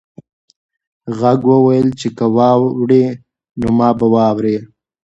غږ وویل چې که واوړې نو ما به واورې.